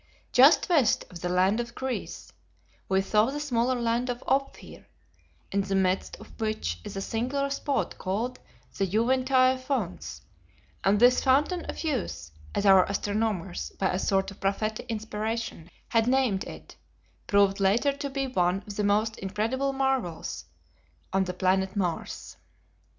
Just west of the land of Chryse we saw the smaller land of Ophir, in the midst of which is a singular spot called the Juventae Fons, and this Fountain of Youth, as our astronomers, by a sort of prophetic inspiration, had named it, proved later to be one of the most incredible marvels on the planet Mars.